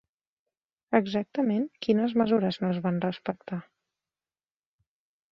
Exactament quines mesures no es van respectar?